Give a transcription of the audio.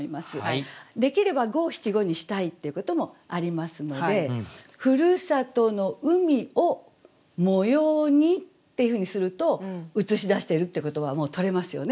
できれば五七五にしたいっていうこともありますので「ふるさとの海を模様に」っていうふうにするとうつしだしているっていう言葉はもう取れますよね。